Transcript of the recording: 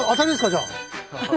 じゃあ。